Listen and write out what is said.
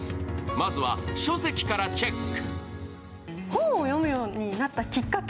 まずは、書籍からチェック。